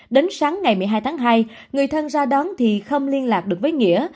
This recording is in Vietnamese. đến sáng ngày một mươi hai tháng hai người thân ra đón thì không liên lạc được với nghĩa